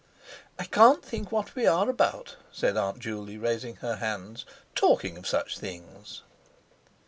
"I can't think what we are about," said Aunt Juley, raising her hands, "talking of such things!"